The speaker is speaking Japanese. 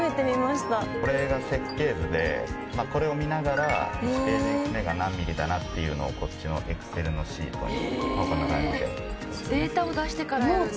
これが設計図でこれを見ながらページが何ｍｍかなというのをこっちのエクセルのシートに。